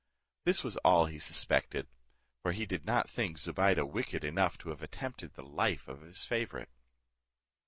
This was all he suspected; for he did not think Zobeide wicked enough to have attempted the life of his favourite.